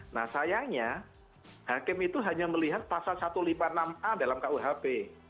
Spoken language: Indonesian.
nah sayangnya hakim itu hanya melihat pasal satu ratus lima puluh enam a dalam kuhp